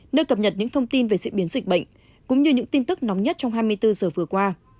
nơi cập nhật những thông tin về diễn biến dịch bệnh cũng như những tin tức nóng nhất trong hai mươi bốn giờ vừa qua